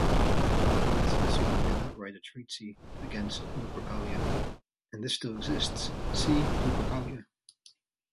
Gelasius certainly did write a treatise against Lupercalia, and this still exists; "see Lupercalia".